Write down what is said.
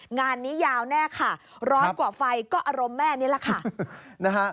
งานนี้ยาวแน่ค่ะร้อนกว่าไฟก็อารมณ์แม่นี่แหละค่ะนะฮะ